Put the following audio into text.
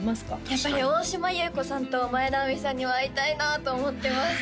やっぱり大島優子さんと前田亜美さんには会いたいなと思ってます